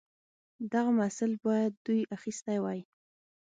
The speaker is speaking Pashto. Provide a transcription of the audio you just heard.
دغه محصول باید دوی اخیستی وای.